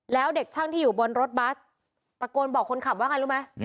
แล้วเด็กช่างที่อยู่บนรถบัสตะโกนบอกคนขับว่าไงรู้ไหม